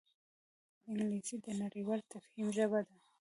انګلیسي د نړیوال تفهیم ژبه ده